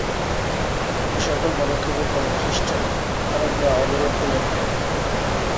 এসকল পদক্ষেপের ফলে খ্রিষ্টান আরবরা অবরোধ তুলে নেয়।